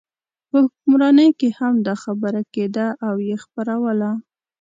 په حکمرانۍ کې هم دا خبره کېده او یې خپروله.